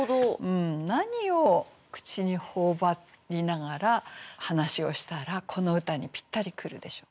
何をくちにほおばりながら話をしたらこの歌にぴったり来るでしょう。